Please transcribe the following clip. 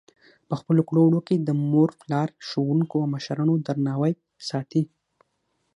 په خپلو کړو وړو کې د مور پلار، ښوونکو او مشرانو درناوی ساتي.